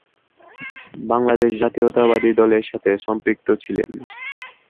বাংলাদেশ জাতীয়তাবাদী দলের সাথে সম্পৃক্ত ছিলেন।